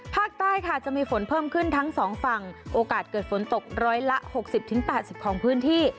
ภาคใต้ค่ะจะมีฝนเพิ่มขึ้นทั้งสองฝั่งโอกาสเกิดฝนตกร้อยละ๖๐๘๐ของพื้นที่